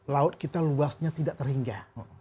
laut kita luasnya tidak terhingga